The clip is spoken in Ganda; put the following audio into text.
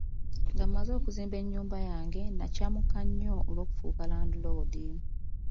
Nga mmaze okuzimba ennyumba yange, nakyamuka nnyo olw'okufuuka landiroodi.